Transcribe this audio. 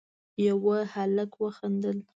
يوه هلک وخندل: